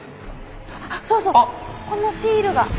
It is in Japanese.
そうそうこのシールが。